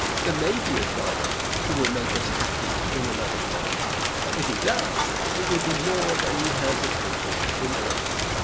There may be a God who will make us happy in another world. If he does, it will be more than he has accomplished in this.